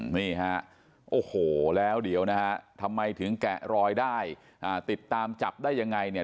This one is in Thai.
นี่ฮะโอ้โหแล้วเดี๋ยวนะฮะทำไมถึงแกะรอยได้ติดตามจับได้ยังไงเนี่ย